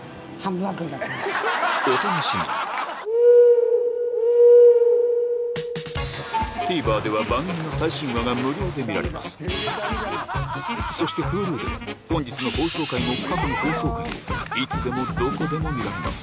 お楽しみにＴＶｅｒでは番組の最新話が無料で見られますそしてＨｕｌｕでは本日の放送回も過去の放送回もいつでもどこでも見られます